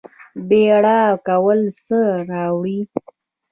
بیړه کول څه راوړي؟